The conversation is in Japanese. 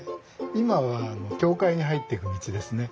今は教会に入っていく道ですね。